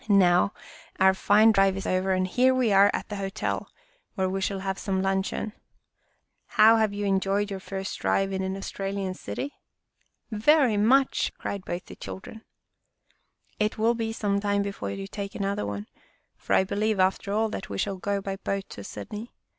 Now, our fine drive is over and here we are at the hotel, where we shall have some luncheon. How have you enjoyed your first drive in an Australian city? "" Very much," cried both of the children. " It will be some time before you take another one, for I believe after all that we shall go by boat to Sydney.